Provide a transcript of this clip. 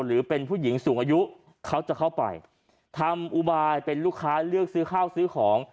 หรือเป็นผู้หญิงสูงอายุเขาจะเข้าไปทำอุบายเป็นลูกค้าเลือกซื้อข้าวซื้อของ